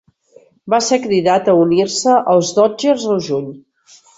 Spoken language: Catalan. Va ser cridat a unir-se als Dodgers al juny.